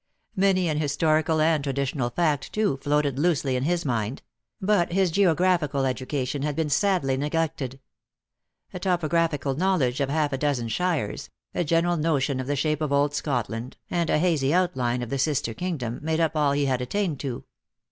Many an historical and traditionary fact, too, floated loosely on his mind ; but his geographical edu ^cation had been sadly neglected. A topographical knowledge of half a dozen shires, a general notion of THE ACTRESS IN HIGH LIFE. 231 the shape of old Scotland, and a hazy outline of the sister kingdom, made up all he had attained to.